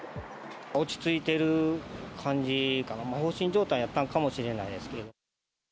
落ち着いてる感じかな、放心状態だったのかもしれないですけど。